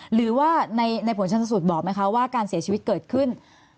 หรือว่าในผลชนสูตรบอกไหมคะว่าการเสียชีวิตเกิดขึ้น